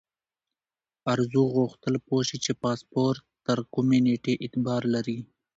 ارزو غوښتل پوه شي چې پاسپورت تر کومې نیټې اعتبار لري.